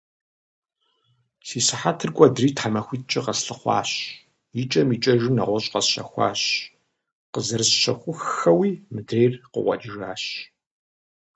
Си сыхьэтыр кӏуэдри, тхьэмахутӏкӏэ къэслъыхъуэжащ. Икӏэм икӏэжым нэгъуэщӏ къэсщэхуащ. Къызэрысщэхуххэуи мыдырейр къыкъуэкӏыжащ.